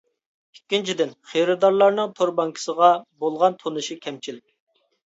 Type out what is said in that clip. ئىككىنچىدىن، خېرىدارلارنىڭ تور بانكىسىغا بولغان تونۇشى كەمچىل.